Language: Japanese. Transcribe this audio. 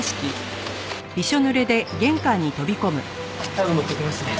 タオル持ってきますね。